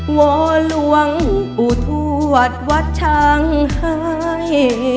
หัวหลวงอุทวัดวัดช่างหาย